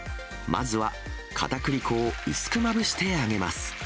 まずは、かたくり粉を薄くまぶして揚げます。